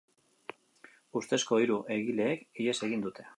Ustezko hiru egileek ihes egin dute.